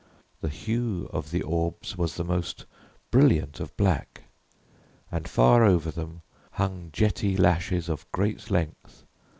The hue of the orbs was the most brilliant of black, and, far over them, hung jetty lashes of great length.